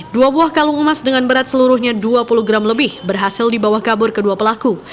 dua buah kalung emas dengan berat seluruhnya dua puluh gram lebih berhasil dibawa kabur kedua pelaku